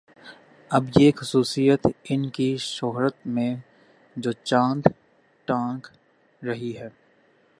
اب یہ خصوصیت ان کی شہرت میں جو چاند ٹانک رہی ہے